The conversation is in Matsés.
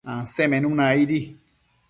Ansemenuna aidi